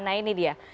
nah ini dia